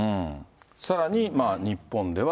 さらに、日本では。